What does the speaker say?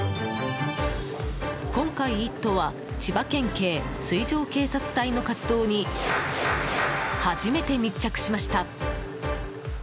今回、「イット！」は千葉県警水上警察隊の活動に初めて密着しました。